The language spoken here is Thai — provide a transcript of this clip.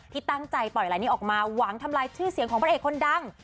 ที่ตั้งใจปล่อยลายนี้ออกมาหวังทำลายชื่อเสียงของพระเอกคนดัง